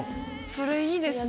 それいいですね。